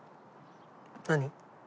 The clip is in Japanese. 何？